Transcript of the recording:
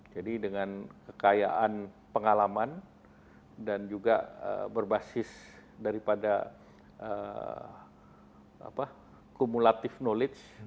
jadi dengan kekayaan pengalaman dan juga berbasis daripada kumulatif knowledge